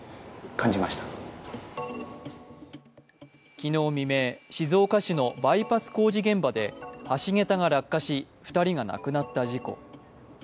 昨日未明、静岡市のバイパス工事現場で橋桁が落下し、２人が亡くなった事故。